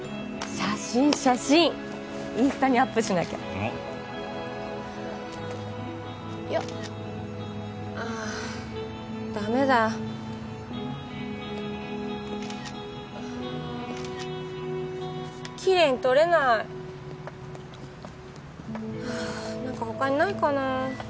写真写真インスタにアップしなきゃおっよっああダメだああキレイに撮れないはあ何か他にないかな？